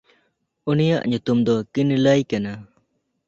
ᱩᱱᱤᱭᱟᱜ ᱧᱩᱛᱩᱢ ᱫᱚ ᱠᱤᱱᱞᱟᱹᱭ ᱠᱟᱱᱟ᱾